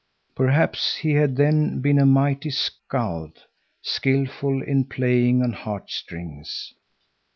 Perhaps he had then been a mighty skald, skilful in playing on heartstrings.